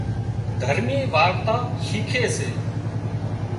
دهرمي وارتا شيکي سي